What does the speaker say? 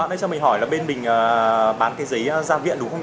bạn ơi cho mình hỏi là bên mình bán cái giấy ra viện đúng không nhỉ